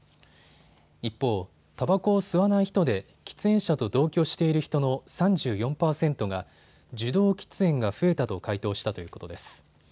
一方、たばこを吸わない人で喫煙者と同居している人の３４％が受動喫煙が増えたと回答したということです。